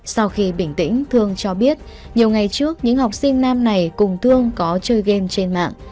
sau khi bình tĩnh thương cho biết nhiều ngày trước những học sinh nam này cùng thương có chơi game trên mạng